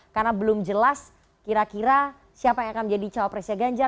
karena belum jelas kira kira siapa yang akan menjadi cawapresnya ganjar